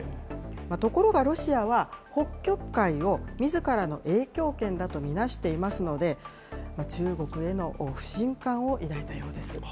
ところがロシアは、北極海をみずからの影響圏だと見なしていますので、中国への不信感を抱いたようです。